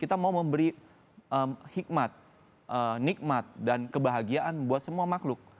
kita mau memberi hikmat nikmat dan kebahagiaan buat semua makhluk